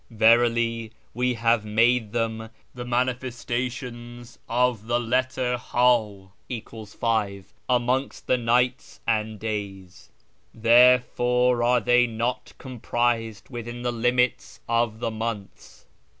Verily we have made them the manifestations of the {letter^ HA [= 5] amongst the nights and days. Therefore are they not comprised within the limits of the months.